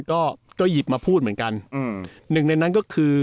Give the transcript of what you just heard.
ก็ก็หยิบมาพูดเหมือนกันอืมหนึ่งในนั้นก็คือ